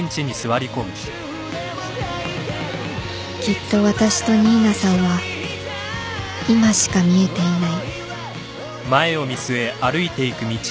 きっと私と新名さんは今しか見えていない